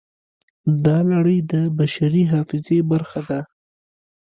دا لړۍ د بشري حافظې برخه ده.